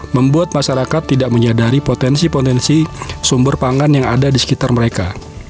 membuat masyarakat tidak menyadari potensi potensi sumber pangan yang ada di sekitar mereka